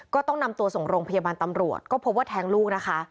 ก็ต้องนำตัวส่งโรงพยาบาลตำรวจก็พบว่าแทงลูกนะคะ